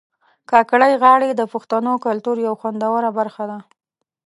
کاکړۍ غاړي د پښتنو کلتور یو خوندوره برخه ده